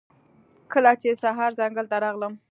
کله چې سهار ځنګل ته راغلم